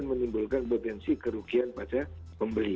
itu menimbulkan berbensi kerugian pada pembeli